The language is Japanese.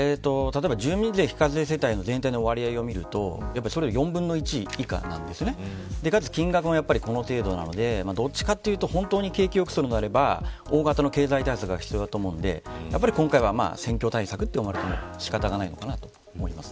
住民税非課税世帯の全体の割合をみると４分の１以下なんです。かつ、金額もこの程度なので景気を良くするのであれば大型の経済対策が必要なので今回は選挙対策と言われても仕方ないのかなと思います。